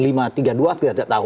kita tidak tahu